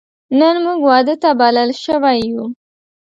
نن موږ واده ته بلل شوی یو